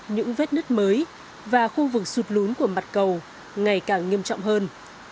những vết nứt mới và khu vực sụt lún của mặt cầu ngày càng nghiêm trọng hơn